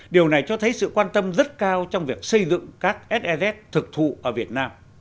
điều này cho thấy sự quan tâm rất cao trong việc xây dựng các se thực thụ ở việt nam